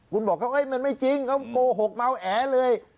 คุณบอกมันไม่จริงเขาโกหกเมาแอเลย